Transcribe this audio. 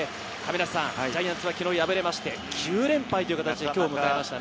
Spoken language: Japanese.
ジャイアンツは昨日敗れまして９連敗という形になりました。